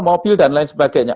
mobil dan lain sebagainya